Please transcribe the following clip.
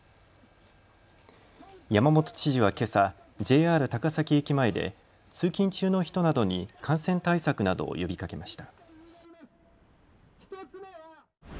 山本知事は、けさＪＲ高崎駅前で通勤中の人などに感染対策などを呼びかけました。